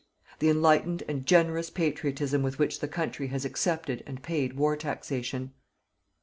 The enlightened and generous patriotism with which the country has accepted and paid war taxation.